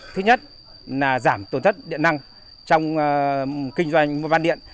thứ nhất là giảm tổn thất điện lăng trong kinh doanh văn điện